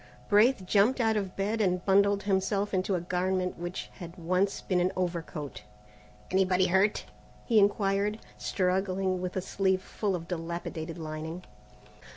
Braith jumped out of bed and bundled himself into a garment which had once been an overcoat. "Anybody hurt?" he inquired, struggling with a sleeve full of dilapidated lining.